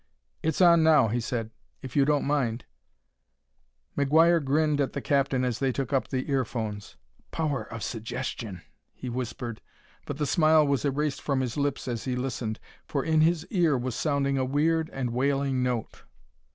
"It's on now," he said. "If you don't mind " McGuire grinned at the captain as they took up the ear phones. "Power of suggestion," he whispered, but the smile was erased from his lips as he listened. For in his ear was sounding a weird and wailing note.